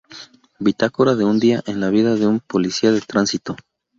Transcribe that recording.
Bitácora de un día en la vida de un policía de tránsito.